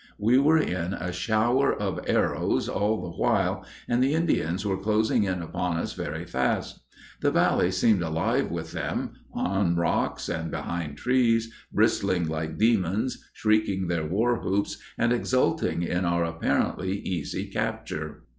We were in a shower of arrows all the while, and the Indians were closing in upon us very fast; the valley seemed alive with them—on rocks, and behind trees, bristling like Demons, shrieking their war whoops, and exulting in our apparently easy capture.